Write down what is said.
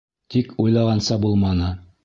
Тик уйлағанса булманы.